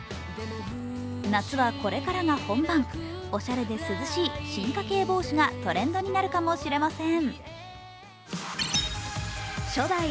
夏はこれからが本番おしゃれで涼しい進化系帽子がトレンドになるかもしれません。